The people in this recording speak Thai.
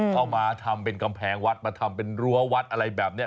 เข้ามาทำเป็นกำแพงวัดมาทำเป็นรั้ววัดอะไรแบบนี้